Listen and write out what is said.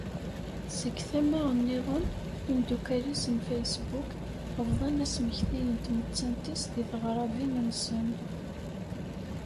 Seg tama-nniḍen, imdukkal-is n Facebook, bḍan asmekti n tmettant-is deg teɣrabin-nsen.